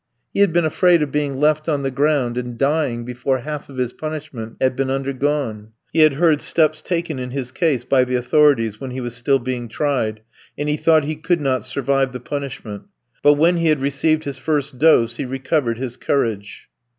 He had been afraid of being left on the ground, and dying before half of his punishment had been undergone. He had heard steps taken in his case, by the authorities, when he was still being tried, and he thought he could not survive the punishment. But when he had received his first dose he recovered his courage.